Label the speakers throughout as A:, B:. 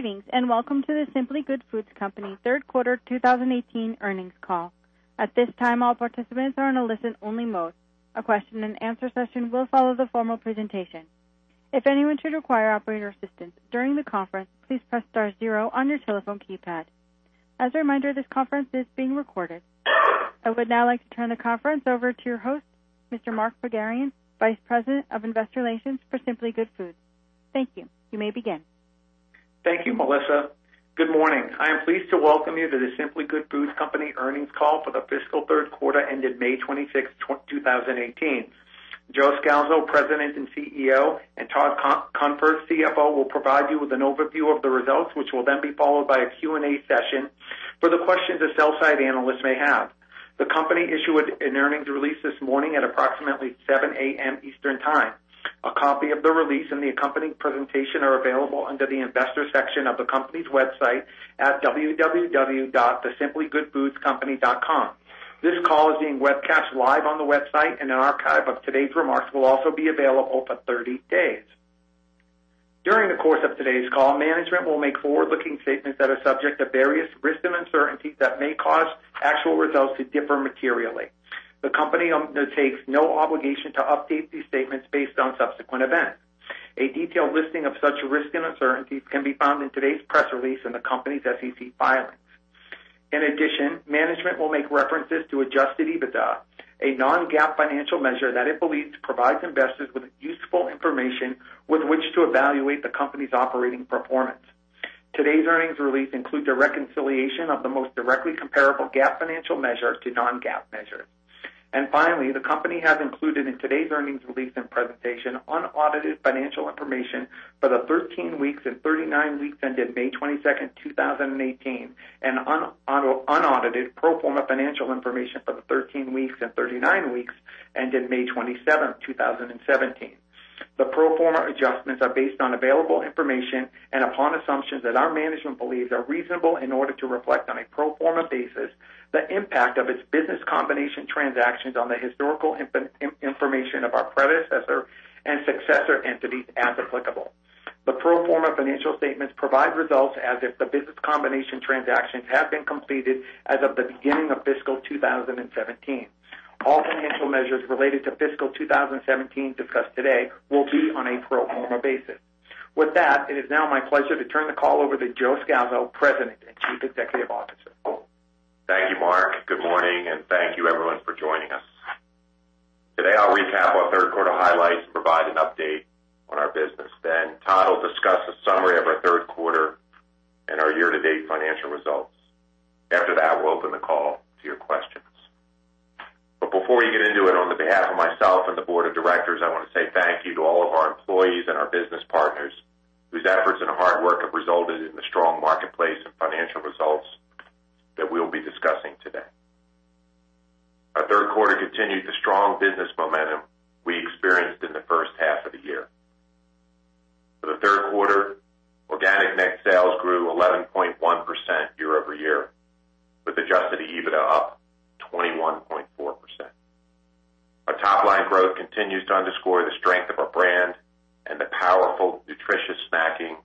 A: Greetings. Welcome to The Simply Good Foods Company third quarter 2018 earnings call. At this time, all participants are in a listen only mode. A question and answer session will follow the formal presentation. If anyone should require operator assistance during the conference, please press star zero on your telephone keypad. As a reminder, this conference is being recorded. I would now like to turn the conference over to your host, Mr. Mark Pogharian, Vice President of Investor Relations for Simply Good Foods. Thank you. You may begin.
B: Thank you, Melissa. Good morning. I am pleased to welcome you to The Simply Good Foods Company earnings call for the fiscal third quarter ended May 26th, 2018. Joe Scalzo, President and CEO, and Todd Cunfer, CFO, will provide you with an overview of the results, which will then be followed by a Q&A session for the questions the sell-side analysts may have. The company issued an earnings release this morning at approximately 7:00 A.M. Eastern Time. A copy of the release and the accompanying presentation are available under the investors section of the company's website at www.thesimplygoodfoodcompany.com. This call is being webcast live on the website. An archive of today's remarks will also be available for 30 days. During the course of today's call, management will make forward-looking statements that are subject to various risks and uncertainties that may cause actual results to differ materially. The company undertakes no obligation to update these statements based on subsequent events. A detailed listing of such risks and uncertainties can be found in today's press release in the company's SEC filings. In addition, management will make references to adjusted EBITDA, a non-GAAP financial measure that it believes provides investors with useful information with which to evaluate the company's operating performance. Today's earnings release includes a reconciliation of the most directly comparable GAAP financial measures to non-GAAP measures. Finally, the company has included in today's earnings release and presentation unaudited financial information for the 13 weeks and 39 weeks ended May 26th, 2018, and unaudited pro forma financial information for the 13 weeks and 39 weeks ended May 27th, 2017. The pro forma adjustments are based on available information and upon assumptions that our management believes are reasonable in order to reflect, on a pro forma basis, the impact of its business combination transactions on the historical information of our predecessor and successor entities, as applicable. The pro forma financial statements provide results as if the business combination transactions have been completed as of the beginning of fiscal 2017. All financial measures related to fiscal 2017 discussed today will be on a pro forma basis. With that, it is now my pleasure to turn the call over to Joe Scalzo, President and Chief Executive Officer.
C: Thank you, Mark Pogharian. Good morning, and thank you, everyone, for joining us. Today, I'll recap our third quarter highlights and provide an update on our business. Todd Cunfer will discuss a summary of our third quarter and our year-to-date financial results. After that, we'll open the call to your questions. Before we get into it, on behalf of myself and the board of directors, I want to say thank you to all of our employees and our business partners, whose efforts and hard work have resulted in the strong marketplace and financial results that we'll be discussing today. Our third quarter continued the strong business momentum we experienced in the first half of the year. For the third quarter, organic net sales grew 11.1% year-over-year, with adjusted EBITDA up 21.4%. Our top-line growth continues to underscore the strength of our brand and the powerful nutritious snacking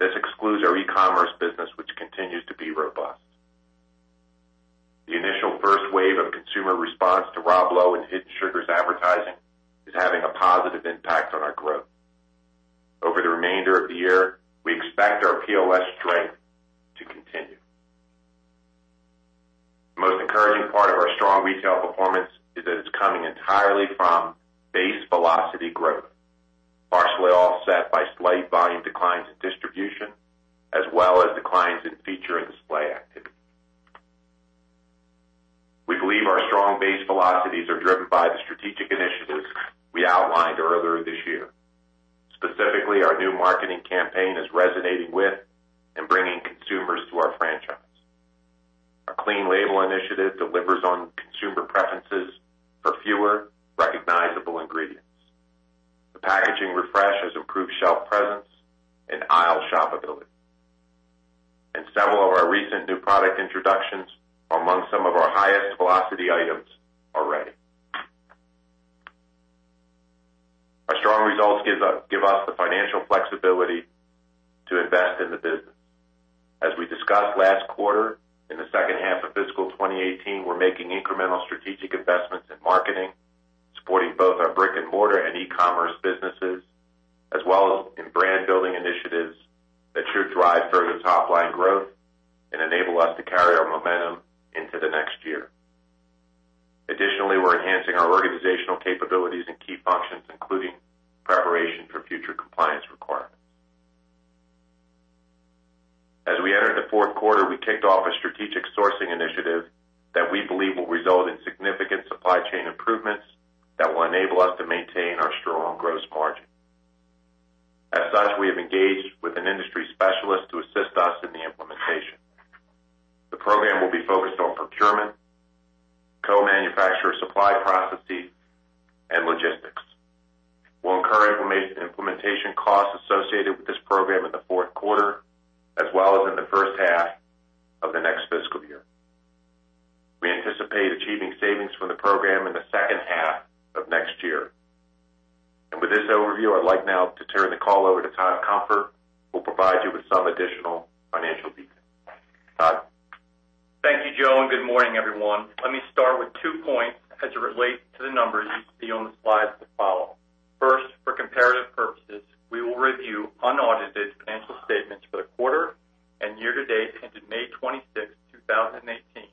C: This excludes our e-commerce business, which continues to be robust. The initial first wave of consumer response to Rob Lowe in hidden sugars advertising is having a positive impact on our growth. Over the remainder of the year, we expect our POS strength to continue. The most encouraging part of our strong retail performance is that it's coming entirely from base velocity growth, partially offset by slight volume declines in distribution as well as declines in feature and display activity. Strong base velocities are driven by the strategic initiatives we outlined earlier this year. Specifically, our new marketing campaign is resonating with and bringing consumers to our franchise. Our clean label initiative delivers on consumer preferences for fewer recognizable ingredients. The packaging refresh has improved shelf presence and aisle shopability. Several of our recent new product introductions are among some of our highest velocity items already. Our strong results give us the financial flexibility to invest in the business. As we discussed last quarter, in the second half of fiscal 2018, we are making incremental strategic investments in marketing, supporting both our brick-and-mortar and e-commerce businesses, as well as in brand-building initiatives that should drive further top-line growth and enable us to carry our momentum into the next year. Additionally, we are enhancing our organizational capabilities and key functions, including preparation for future compliance requirements. As we entered the fourth quarter, we kicked off a strategic sourcing initiative that we believe will result in significant supply chain improvements that will enable us to maintain our strong gross margin. As such, we have engaged with an industry specialist to assist us in the implementation. The program will be focused on procurement, co-manufacturer supply processes, and logistics. We will incur implementation costs associated with this program in the fourth quarter, as well as in the first half of the next fiscal year. We anticipate achieving savings from the program in the second half of next year. With this overview, I would like now to turn the call over to Todd Cunfer, who will provide you with some additional financial details. Todd?
D: Thank you, Joe, and good morning, everyone. Let me start with two points as it relates to the numbers you see on the slides that follow. First, for comparative purposes, we will review unaudited financial statements for the quarter and year-to-date ended May 26th, 2018,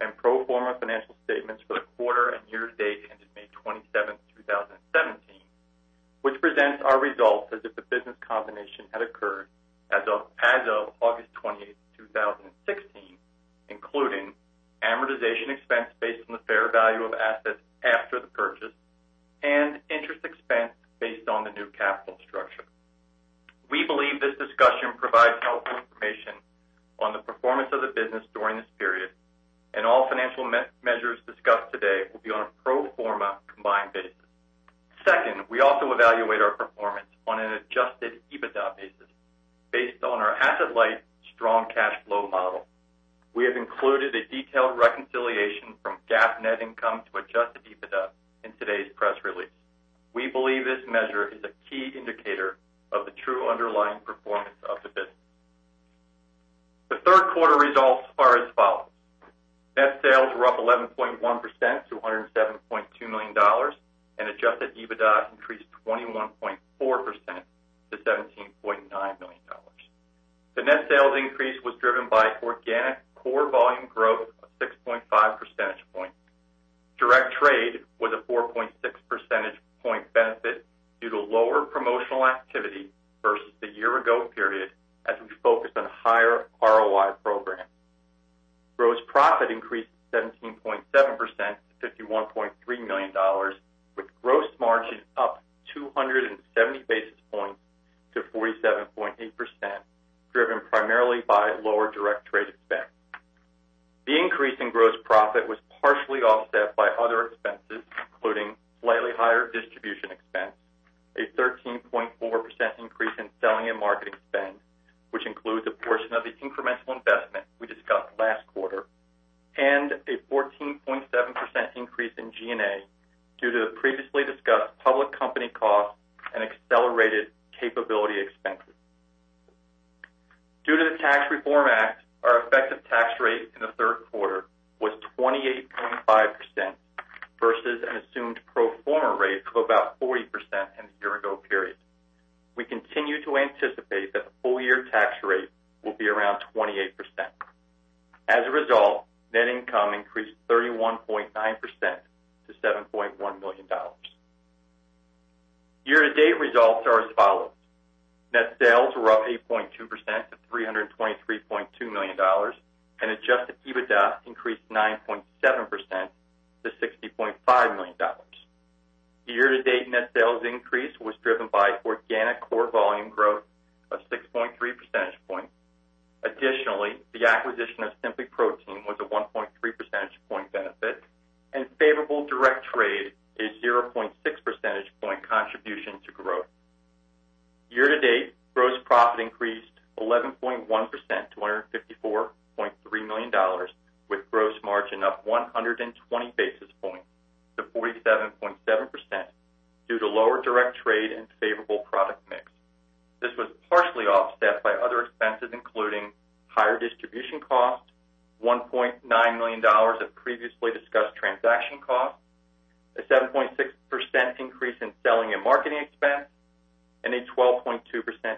D: and pro forma financial statements for the quarter and year-to-date ended May 27th, 2017, which presents our results as if the business combination had occurred as of August 20th, 2016, including amortization expense based on the fair value of assets after the purchase and interest expense based on the new capital structure. We believe this discussion provides helpful information on the performance of the business during this period, and all financial measures discussed today will be on a pro forma combined basis. Second, we also evaluate our performance on an adjusted EBITDA basis based on our asset-light strong cash flow model. We have included a detailed reconciliation from GAAP net income to adjusted EBITDA in today's press release. We believe this measure is a key indicator of the true underlying performance of the business. The third quarter results are as follows. Net sales were up 11.1% to $107.2 million and adjusted EBITDA increased 21.4% to $17.9 million. The net sales increase was driven by organic core volume growth of 6.5 percentage points. Direct trade was a 4.6 percentage point benefit due to lower promotional activity versus the year ago period as we focused on higher ROI programs. Gross profit increased 17.7% to $51.3 million with gross margin up 270 basis points to 47.8%, driven primarily by lower direct to 47.7% due to lower direct trade and favorable product mix. This was partially offset by other expenses including higher distribution costs, $1.9 million of previously discussed transaction costs, a 7.6% increase in selling and marketing expense, and a 12.2%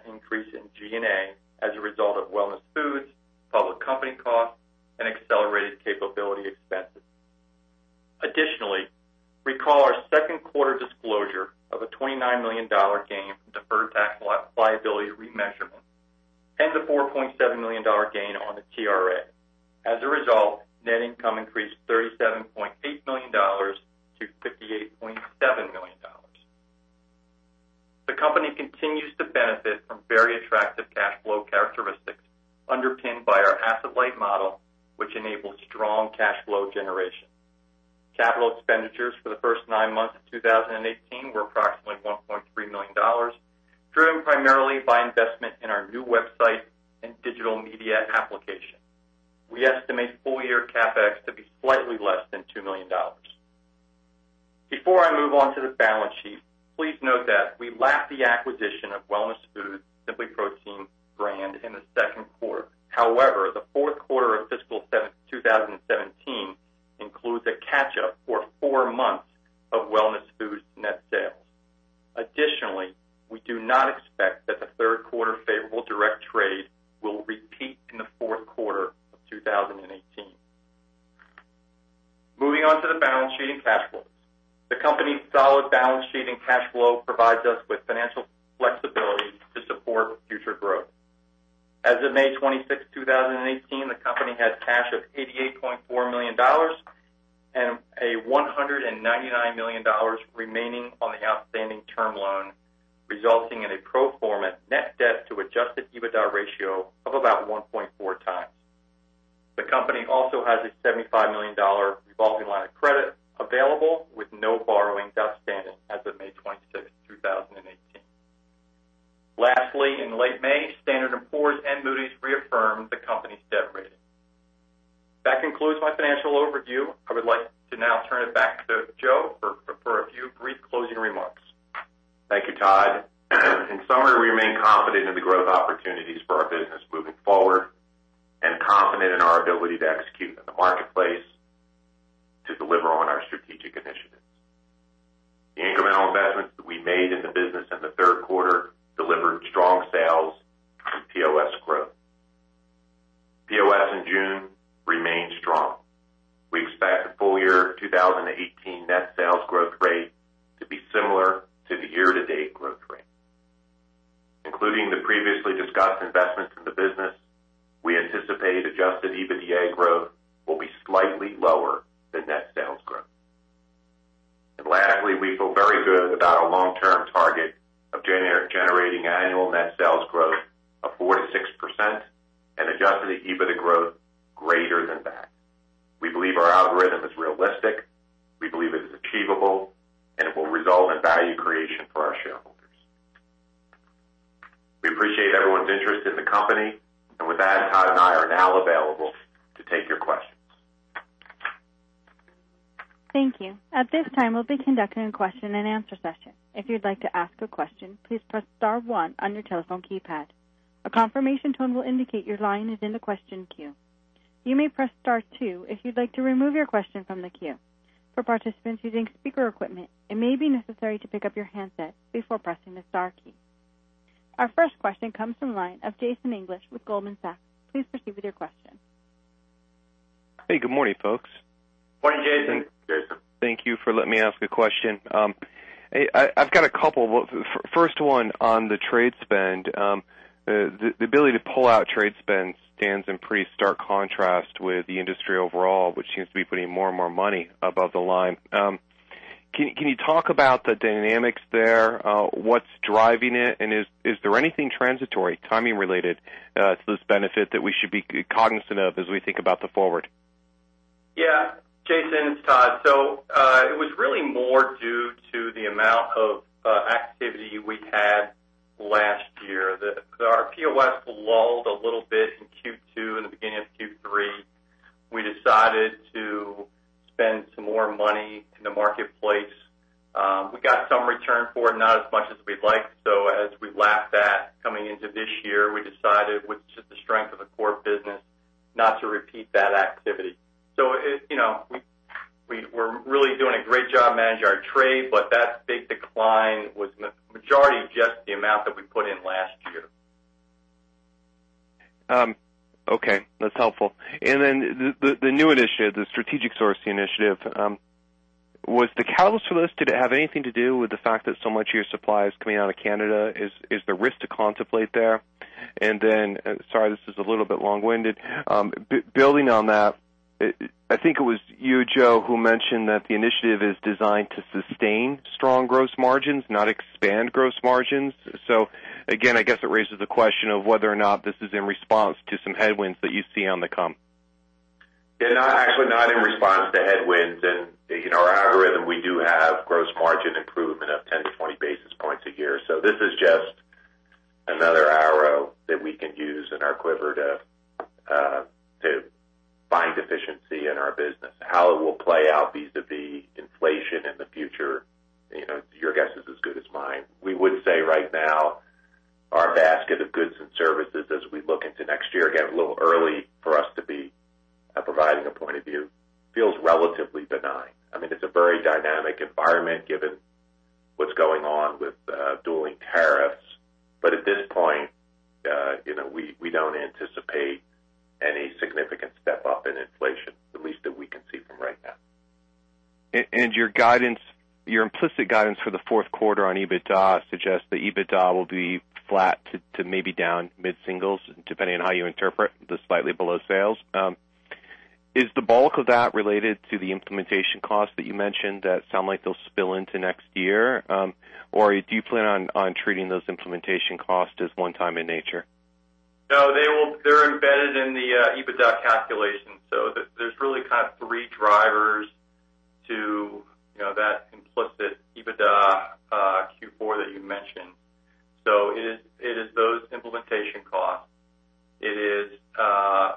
D: increase in G&A as a result of Wellness Foods, public company costs, and accelerated capability expenses. Recall our second quarter disclosure of a $29 million gain from deferred tax liability remeasurement and the $4.7 million gain on the TRA. As a result, net income increased $37.8 million to $58.7 million. The company continues to benefit from very attractive cash flow characteristics underpinned by our asset-light model, which enables strong cash flow generation. Capital expenditures for the first nine months of 2018 were approximately $1.3 million, driven primarily by investment in our new website and digital media application. We estimate full-year CapEx to be slightly less than $2 million. Before I move on to the balance sheet, please note that we tracked the acquisition of Wellness Foods' SimplyProtein brand in the second quarter. The fourth quarter of fiscal 2017 includes a catch-up for four months of Wellness Foods net sales. We do not expect that the third quarter favorable direct trade will repeat in the fourth quarter of 2018. Moving on to the balance sheet and cash flows. The company's solid balance sheet and cash flow provides us with financial flexibility to support future growth. As of May 26th, 2018, the company had cash of $88.4 million and a $199 million remaining on the outstanding term loan, resulting in a pro forma net debt to adjusted EBITDA ratio of about 1.4 times. The company also has a $75 million revolving line of credit available with no borrowings outstanding as of May 26th, 2018. In late May, Standard & Poor's and Moody's reaffirmed the company's debt rating. That concludes my financial overview. I would like to now turn it back to Joe for a few brief closing remarks.
C: Thank you, Todd. In summary, we remain confident in the growth opportunities for our business moving forward and confident in our ability to execute in the marketplace to deliver on our strategic initiatives. The incremental investments that we made in the business in the third quarter delivered strong sales and POS growth. POS in June remained strong. We expect the full year 2018 net sales growth rate to be similar to the year-to-date growth rate. Including the previously discussed investments in the business, we anticipate adjusted EBITDA growth will be slightly lower than net sales growth. Lastly, we feel very good about our long-term target of generating annual net sales growth of 4%-6% and adjusted EBITDA growth greater than that. We believe our algorithm is realistic, we believe it is achievable, and it will result in value creation for our shareholders. We appreciate everyone's interest in the company. With that, Todd and I are now available to take your questions.
A: Thank you. At this time, we'll be conducting a question and answer session. If you'd like to ask a question, please press star one on your telephone keypad. A confirmation tone will indicate your line is in the question queue. You may press star two if you'd like to remove your question from the queue. For participants using speaker equipment, it may be necessary to pick up your handset before pressing the star key. Our first question comes from the line of Jason English with Goldman Sachs. Please proceed with your question.
E: Hey, good morning, folks.
C: Morning, Jason.
D: Jason.
E: Thank you for letting me ask a question. I've got a couple. First one on the trade spend. The ability to pull out trade spend stands in pretty stark contrast with the industry overall, which seems to be putting more and more money above the line. Can you talk about the dynamics there? What's driving it, and is there anything transitory, timing related to this benefit that we should be cognizant of as we think about the forward?
D: Yeah. Jason, it's Todd. It was really more due to the amount of activity we had last year. Our POS lulled a little bit in Q2 and the beginning of Q3. We decided to spend some more money in the marketplace. We got some return for it, not as much as we'd like. As we lap that coming into this year, we decided with just the strength of the core business, not to repeat that activity. We're really doing a great job managing our trade, but that big decline was majority of just the amount that we put in last year.
E: Okay, that's helpful. The new initiative, the strategic sourcing initiative. Was the catalyst for this, did it have anything to do with the fact that so much of your supply is coming out of Canada? Is there risk to contemplate there? Sorry, this is a little bit long-winded. Building on that, I think it was you, Joe, who mentioned that the initiative is designed to sustain strong gross margins, not expand gross margins. Again, I guess it raises the question of whether or not this is in response to some headwinds that you see on the come.
C: They're actually not in response to headwinds. In our algorithm, we do have gross margin improvement of 10 to 20 basis points a year. This is just another arrow that we can use in our quiver to find efficiency in our business. How it will play out vis-a-vis inflation in the future, your guess is as good as mine. We would say right now, our basket of goods and services as we look into next year, again, a little early for us to be providing a point of view, feels relatively benign. I mean, it's a very dynamic environment given what's going on with dueling tariffs. At this point, we don't anticipate any significant step up in inflation.
E: Your implicit guidance for the fourth quarter on EBITDA suggests that EBITDA will be flat to maybe down mid-singles, depending on how you interpret the slightly below sales. Is the bulk of that related to the implementation costs that you mentioned that sound like they'll spill into next year? Or do you plan on treating those implementation costs as one-time in nature?
D: No, they're embedded in the EBITDA calculation. There's really three drivers to that implicit EBITDA Q4 that you mentioned. It is those implementation costs. It is a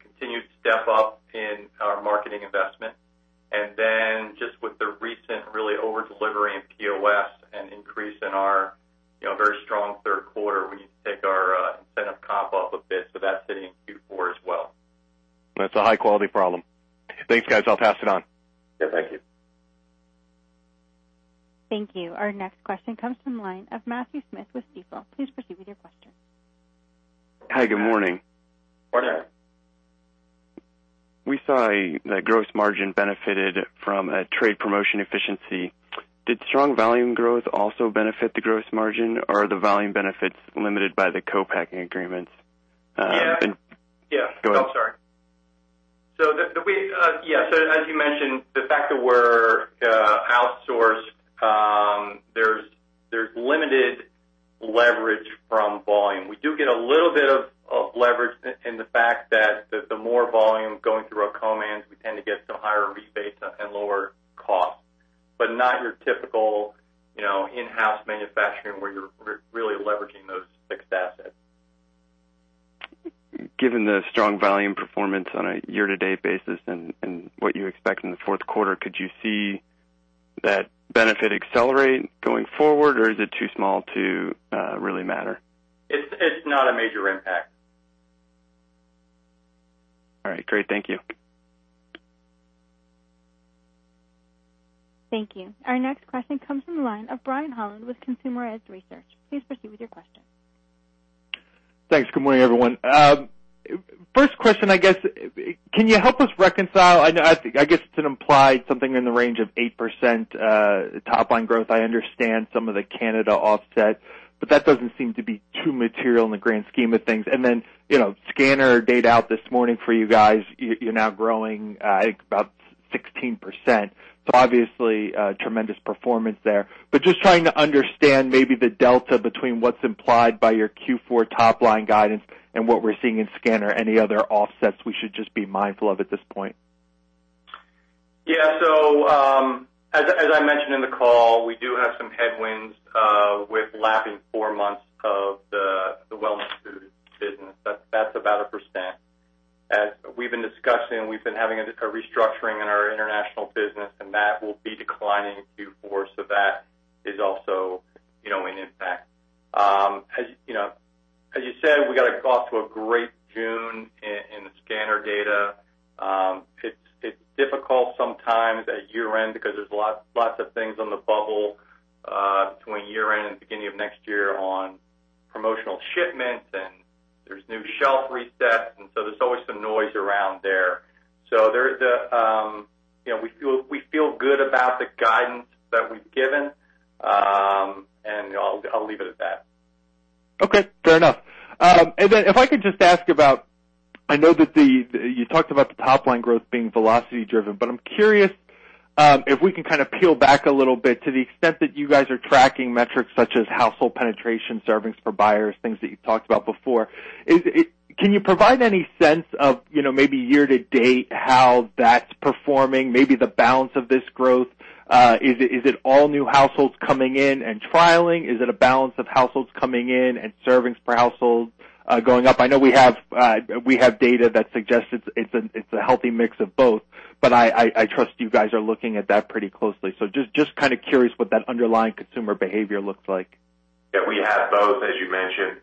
D: continued step up in our marketing investment, just with the recent really over-delivering POS and increase in our very strong third quarter, we take our incentive comp up a bit. That's sitting in Q4 as well.
E: That's a high-quality problem. Thanks, guys. I'll pass it on.
D: Yeah, thank you.
A: Thank you. Our next question comes from the line of Matthew Smith with Stifel. Please proceed with your question.
F: Hi, good morning.
D: Morning.
F: We saw a net gross margin benefited from a trade promotion efficiency. Did strong volume growth also benefit the gross margin, or are the volume benefits limited by the co-packing agreements?
D: Yeah.
F: Go ahead.
D: I'm sorry. As you mentioned, the fact that we're outsourced, there's limited leverage from volume. We do get a little bit of leverage in the fact that the more volume going through our co-mans, we tend to get some higher rebates and lower costs, but not your typical in-house manufacturing where you're really leveraging those fixed assets.
F: Given the strong volume performance on a year-to-date basis and what you expect in the fourth quarter, could you see that benefit accelerate going forward or is it too small to really matter?
D: It's not a major impact.
F: All right, great. Thank you.
A: Thank you. Our next question comes from the line of Brian Holland with Consumer Edge Research. Please proceed with your question.
G: Thanks. Good morning, everyone. First question, I guess, can you help us reconcile an implied something in the range of 8% top line growth. I understand some of the Canada offset, but that doesn't seem to be too material in the grand scheme of things. Scanner data out this morning for you guys, you're now growing about 16%. Obviously, a tremendous performance there. Just trying to understand maybe the delta between what's implied by your Q4 top-line guidance and what we're seeing in scanner. Any other offsets we should just be mindful of at this point?
D: As I mentioned in the call, we do have some headwinds with lapping four months of the Wellness Foods business. That's about 1%. As we've been discussing, we've been having a restructuring in our international business, that will be declining in Q4, that is also an impact. As you said, we've got off to a great June in the scanner data. It's difficult sometimes at year-end because there's lots of things on the bubble between year-end and beginning of next year on promotional shipments, there's new shelf resets, there's always some noise around there. We feel good about the guidance that we've given, I'll leave it at that.
G: Okay, fair enough. If I could just ask about, I know that you talked about the top line growth being velocity driven, I'm curious if we can kind of peel back a little bit to the extent that you guys are tracking metrics such as household penetration, servings per buyers, things that you've talked about before. Can you provide any sense of maybe year to date, how that's performing? Maybe the balance of this growth. Is it all new households coming in and trialing? Is it a balance of households coming in and servings per household going up? I know we have data that suggests it's a healthy mix of both, I trust you guys are looking at that pretty closely. Just curious what that underlying consumer behavior looks like.
D: Yeah, we have both, as you mentioned,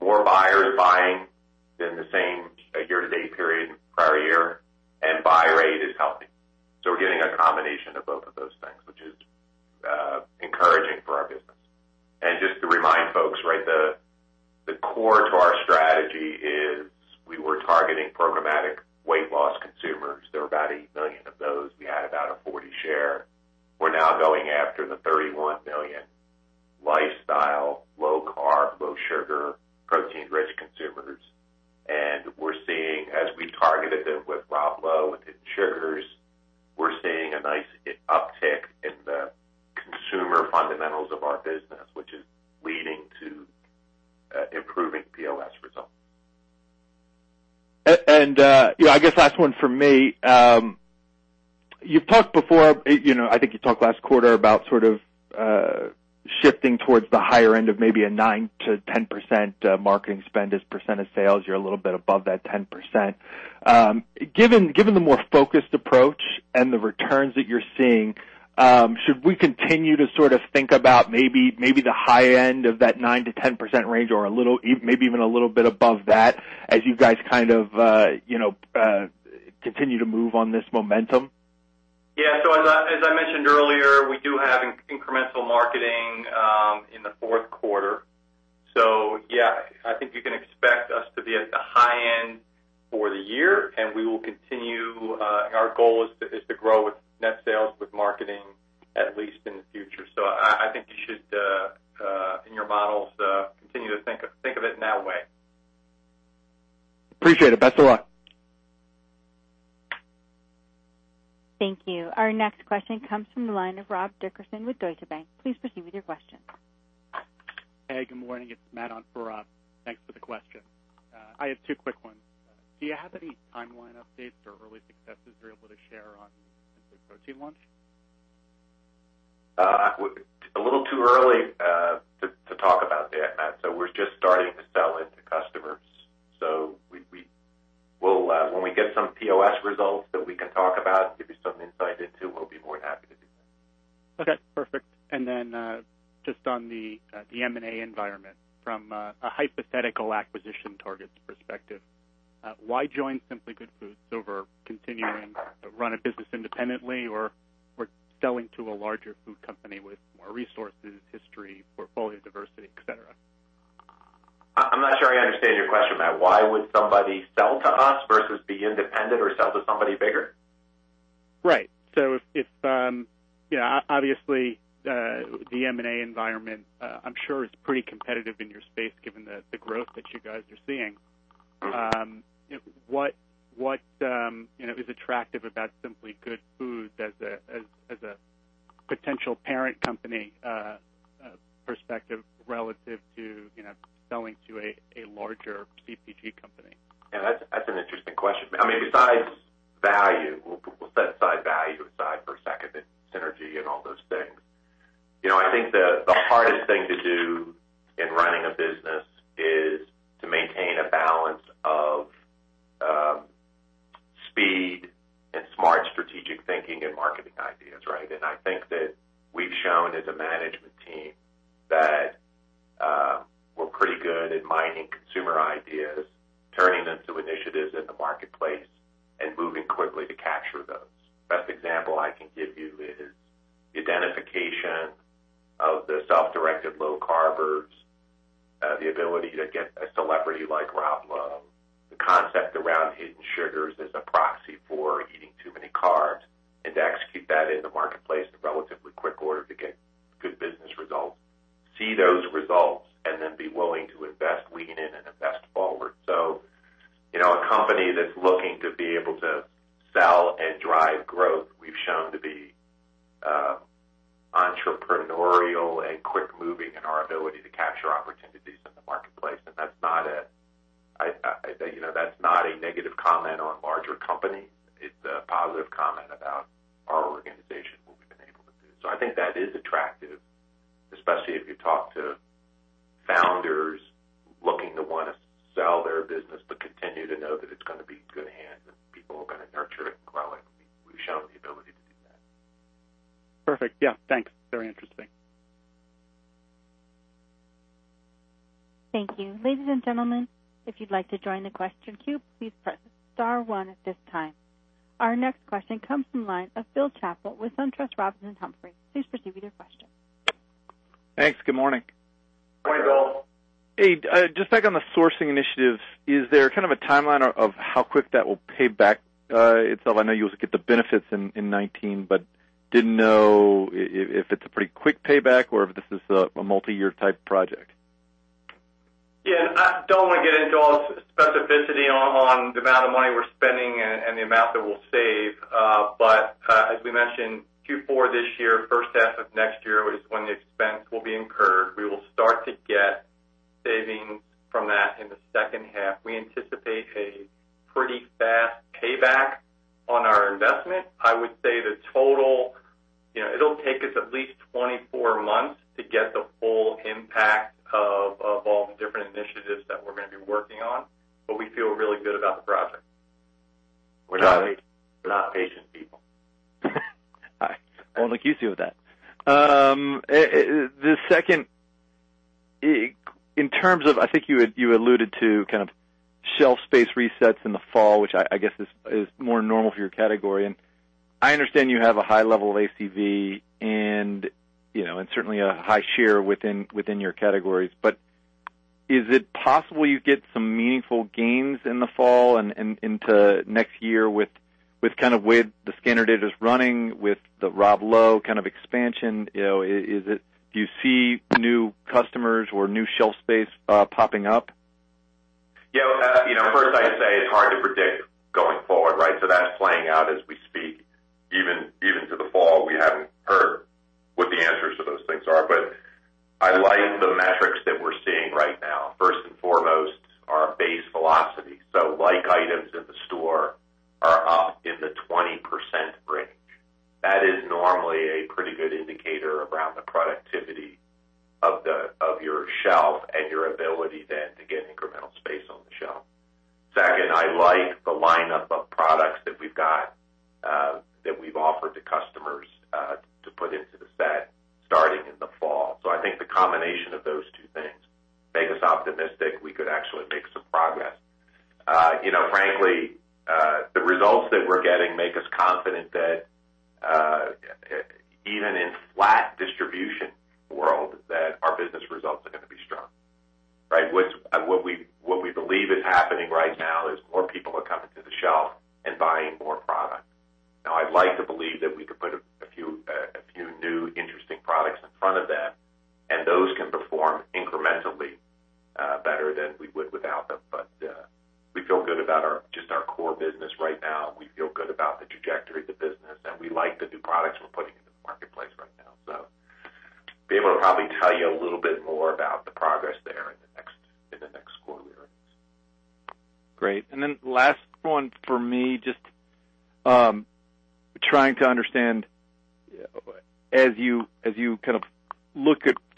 D: more buyers buying than the same year to date period prior year, buy rate is healthy. We're getting a combination of both of those things, which is encouraging for our business. Just to remind folks, the core to our strategy is we were targeting programmatic weight loss consumers. There are about 80 million of those. We had about a 40 share. We're now going after the 31 million lifestyle, low carb, low sugar, protein-rich consumers. We're seeing as we targeted them with Rob Lowe and hidden sugars, we're seeing a nice uptick in the consumer fundamentals of our business, which is leading to improving POS results.
G: I guess last one from me. You've talked before, I think you talked last quarter, about sort of shifting towards the higher end of maybe a 9%-10% marketing spend as percent of sales. You're a little bit above that 10%. Given the more focused approach and the returns that you're seeing, should we continue to sort of think about maybe the high end of that 9%-10% range or maybe even a little bit above that as you guys kind of continue to move on this momentum?
D: Yeah. As I mentioned
C: Marketing in the fourth quarter. Yeah, I think you can expect us to be at the high end for the year, and we will continue. Our goal is to grow with net sales, with marketing, at least in the future. I think you should, in your models, continue to think of it in that way.
G: Appreciate it. Best of luck.
A: Thank you. Our next question comes from the line of Rob Dickerson with Deutsche Bank. Please proceed with your question.
H: Hey, good morning. It's Matt on for Rob. Thanks for the question. I have two quick ones. Do you have any timeline updates or early successes you're able to share on the protein launch?
C: A little too early to talk about that, Matt. We're just starting to sell into customers. When we get some POS results that we can talk about and give you some insight into, we'll be more than happy to do that.
H: Okay, perfect. Just on the M&A environment from a hypothetical acquisition target perspective, why join Simply Good Foods over continuing to run a business independently or selling to a larger food company with more resources, history, portfolio diversity, et cetera?
C: I'm not sure I understand your question, Matt. Why would somebody sell to us versus be independent or sell to somebody bigger?
H: Right. Obviously, the M&A environment, I'm sure it's pretty competitive in your space given the growth that you guys are seeing. What is attractive about Simply Good Foods as a potential parent company perspective relative to selling to a larger CPG company?
C: Yeah, that's an interesting question. Besides value, we'll set value aside for a second, the synergy and all those things. I think the hardest thing to do in running a business is to maintain a balance of speed and smart strategic thinking and marketing ideas, right? I think that we've shown as a management team that we're pretty good at mining consumer ideas, turning them to initiatives in the marketplace, and moving quickly to capture those. Best example I can give you is the identification of the self-directed low carbers, the ability to get a celebrity like Rob Lowe, the concept around hidden sugars as a proxy for eating too many carbs, and to execute that in the marketplace in relatively quick order to get good business results, see those results, and then be willing to invest, lean in, and invest forward. A company that's looking to be able to sell and drive growth, we've shown to be entrepreneurial and quick moving in our ability to capture opportunities in the marketplace. That's not a negative comment on larger companies. It's a positive comment about our organization, what we've been able to do. I think that is attractive, especially if you talk to founders looking to want to sell their business, but continue to know that it's going to be in good hands and people are going to nurture it and grow it. We've shown the ability to do that.
H: Perfect. Yeah. Thanks. Very interesting.
A: Thank you. Ladies and gentlemen, if you'd like to join the question queue, please press star one at this time. Our next question comes from the line of Bill Chappell with SunTrust Robinson Humphrey. Please proceed with your question.
I: Thanks. Good morning.
C: Morning, Bill.
I: Hey, just back on the sourcing initiative, is there a timeline of how quick that will pay back itself? I know you'll get the benefits in 2019, but didn't know if it's a pretty quick payback or if this is a multi-year type project.
C: Yeah, I don't want to get into all the specificity on the amount of money we're spending and the amount that we'll save. As we mentioned, Q4 this year, first half of next year is when the expense will be incurred. We will start to get savings from that in the second half. We anticipate a pretty fast payback on our investment. I would say the total, it'll take us at least 24 months to get the full impact of all the different initiatives that we're going to be working on. We feel really good about the project. We're not patient people.
I: I won't argue with you with that. The second, in terms of, I think you alluded to shelf space resets in the fall, which I guess is more normal for your category. I understand you have a high level of ACV and certainly a high share within your categories. Is it possible you get some meaningful gains in the fall and into next year with the scanner data's running, with the Rob Lowe expansion? Do you see new customers or new shelf space popping up?
C: Yeah. First I'd say it's hard to predict going forward, right? That's playing out as we speak. Even to the fall, we haven't heard what the answers to those things are. I like the metrics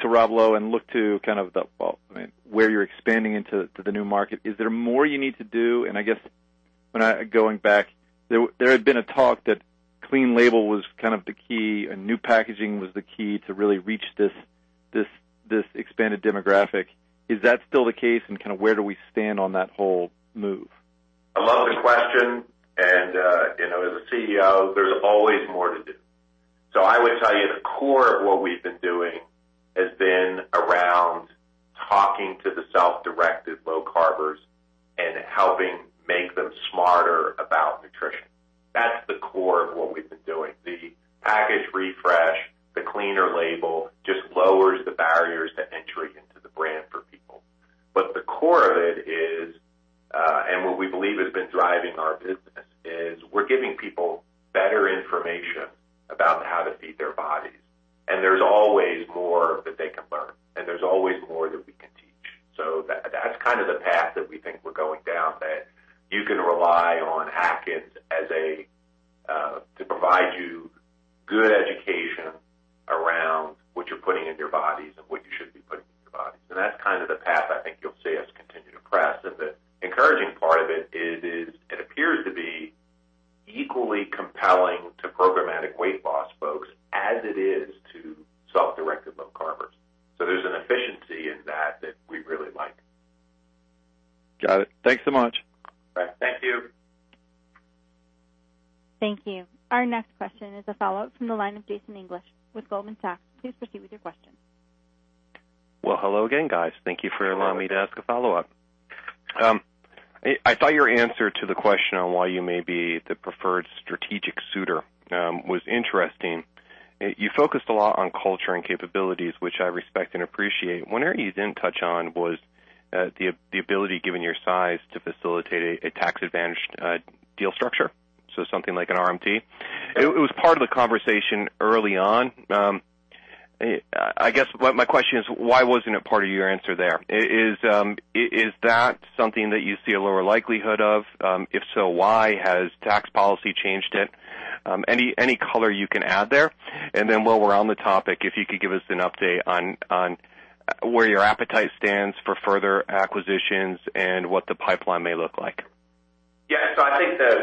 I: to Rob Lowe and look to where you're expanding into the new market, is there more you need to do? I guess, going back, there had been a talk that clean label was kind of the key, and new packaging was the key to really reach this expanded demographic. Is that still the case, and kind of where do we stand on that whole move?
C: I love the question. As a CEO, there's always more to do. I would tell you the core of what we've been doing has been around talking to the self-directed low carbers and helping make them smarter about nutrition. That's the core of what we've been doing. The package refresh, the cleaner label just lowers the barriers to entry into the brand for people. The core of it is, what we believe has been driving our business is we're giving people better information about how to feed their bodies. There's always more that they can learn, and there's always more that we can teach. That's kind of the path that we think we're going down, that you can rely on Atkins to provide you good education around what you're putting in your bodies and what you should be putting in your bodies. That's kind of the path I think you'll see us continue to press. The encouraging part of it is it appears to be equally compelling to programmatic weight loss folks as it is to self-directed low carbers. There's an efficiency in that that we really like.
I: Got it. Thanks so much.
C: Thank you.
A: Thank you. Our next question is a follow-up from the line of Jason English with Goldman Sachs. Please proceed with your question.
E: Well, hello again, guys. Thank you for allowing me to ask a follow-up. I thought your answer to the question on why you may be the preferred strategic suitor was interesting. You focused a lot on culture and capabilities, which I respect and appreciate. One area you didn't touch on was the ability, given your size, to facilitate a tax-advantaged deal structure. Something like an RMT. It was part of the conversation early on. I guess my question is why wasn't it part of your answer there? Is that something that you see a lower likelihood of? If so, why? Has tax policy changed it? Any color you can add there? While we're on the topic, if you could give us an update on where your appetite stands for further acquisitions and what the pipeline may look like.
C: Yeah. I think that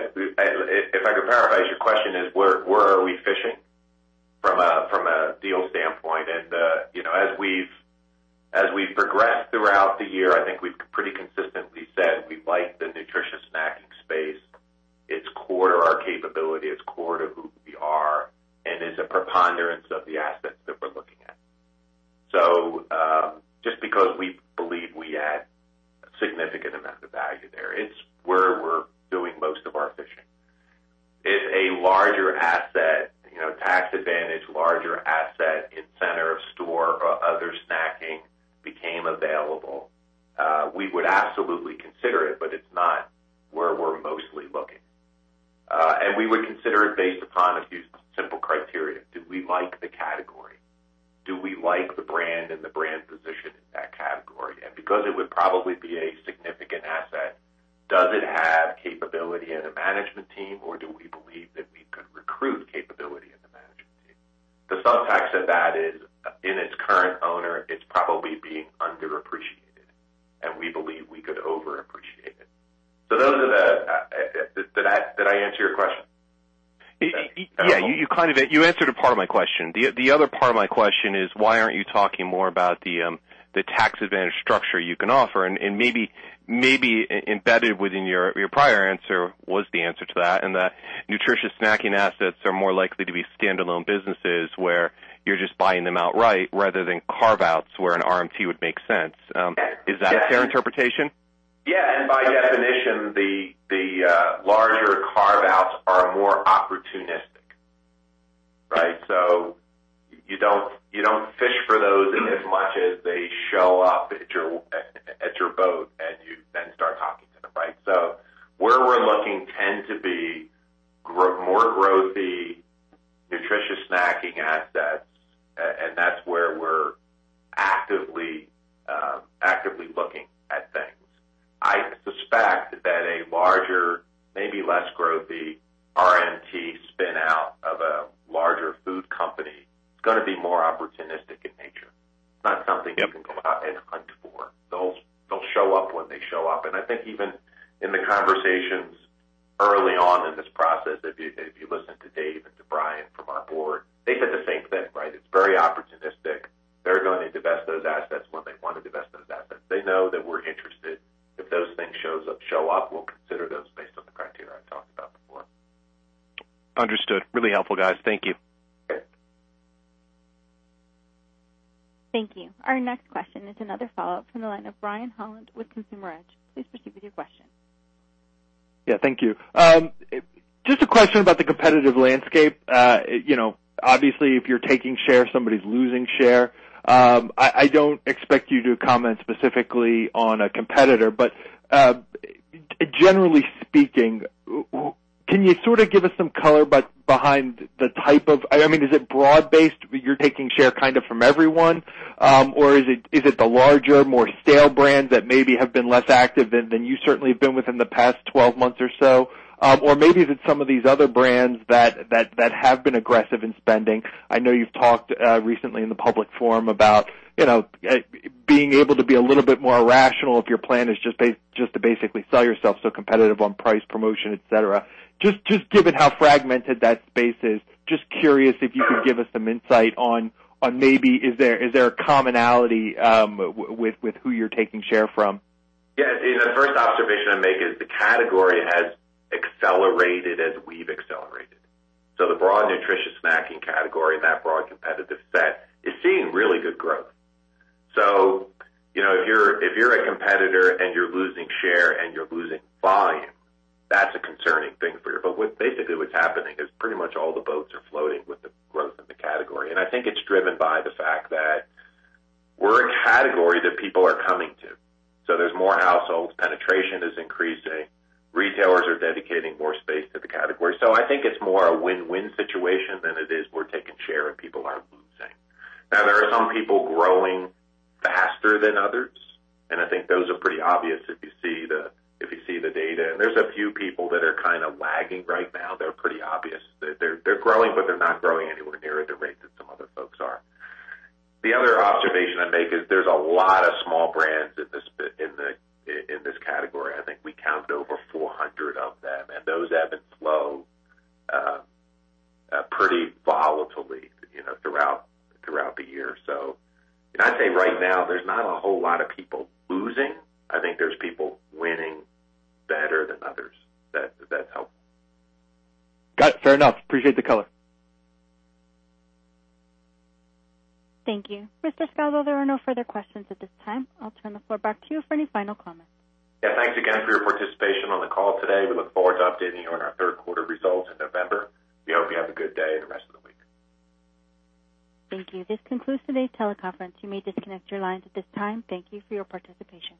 C: if I could paraphrase, your question is where are we fishing from a deals standpoint? As we progress throughout the year, I think we've pretty consistently said we like the nutritious snacking space. It's core to our capability. It's core to who we are and is a preponderance of the assets that we're looking at. Just because we believe we add a significant amount of value there, it's where we're doing most of our fishing. If a larger asset, tax advantage, larger asset in center of store or other snacking became available, we would absolutely consider it, but it's not where we're mostly looking. We would consider it based upon a few simple criteria. Do we like the category? Do we like the brand and the brand position in that category? Because it would probably be a significant asset, does it have capability in the management team, or do we believe that we could recruit capability in the management team? The subtext of that is in its current owner, it's probably being underappreciated, and we believe we could over appreciate it. Did I answer your question?
E: Yeah, you answered a part of my question. The other part of my question is why aren't you talking more about the tax advantage structure you can offer? Maybe embedded within your prior answer was the answer to that, and that nutritious snacking assets are more likely to be standalone businesses where you're just buying them outright rather than carve-outs where an RMT would make sense. Is that a fair interpretation?
C: Yeah. By definition, the larger carve-outs are more opportunistic, right? You don't fish for those as much as they show up at your boat, and you then start talking to them, right? Where we're looking tend to be more growthy, nutritious snacking assets, and that's where we're actively looking at things. I suspect that a larger, maybe less growthy RMT spin-out of a larger food company is going to be more opportunistic in nature. It's not something you can go out and hunt for. They'll show up when they show up. I think even in the conversations early on in this process, if you listen to Dave and to Brian from our board, they said the same thing, right? It's very When they want to divest those assets, they know that we're interested. If those things show up, we'll consider those based on the criteria I talked about before.
E: Understood. Really helpful, guys. Thank you.
C: Okay.
A: Thank you. Our next question is another follow-up from the line of Brian Holland with Consumer Edge Research. Please proceed with your question.
G: Yeah, thank you. Just a question about the competitive landscape. Obviously, if you're taking share, somebody's losing share. I don't expect you to comment specifically on a competitor, but generally speaking, can you give us some color behind the type? Is it broad-based, you're taking share from everyone? Is it the larger, more stale brands that maybe have been less active than you certainly have been within the past 12 months or so? Maybe it is some of these other brands that have been aggressive in spending. I know you've talked recently in the public forum about being able to be a little bit more rational if your plan is just to basically sell yourself so competitive on price, promotion, et cetera. Just given how fragmented that space is, just curious if you could give us some insight on maybe is there a commonality with who you're taking share from?
C: Yeah. The first observation I'd make is the category has accelerated as we've accelerated. The broad nutritious snacking category, that broad competitive set, is seeing really good growth. If you're a competitor and you're losing share and you're losing volume, that's a concerning thing for you. Basically what's happening is pretty much all the boats are floating with the growth of the category. I think it's driven by the fact that we're a category that people are coming to. There's more households, penetration is increasing, retailers are dedicating more space to the category. I think it's more a win-win situation than it is we're taking share and people are losing. Now, there are some people growing faster than others, and I think those are pretty obvious if you see the data. There's a few people that are kind of lagging right now. They're pretty obvious. They're growing, they're not growing anywhere near the rate that some other folks are. The other observation I'd make is there's a lot of small brands in this category. I think we counted over 400 of them, those ebb and flow pretty volatilely throughout the year. When I say right now, there's not a whole lot of people losing. I think there's people winning better than others. If that helps.
G: Got it. Fair enough. Appreciate the color.
A: Thank you. Mr. Scalzo, there are no further questions at this time. I'll turn the floor back to you for any final comments.
C: Thanks again for your participation on the call today. We look forward to updating you on our third quarter results in November. We hope you have a good day and the rest of the week.
A: Thank you. This concludes today's teleconference. You may disconnect your lines at this time. Thank you for your participation.